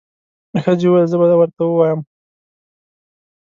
ښځې وويل زه به ورته ووایم.